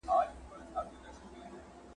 ځکه مي دا غزله ولیکله ,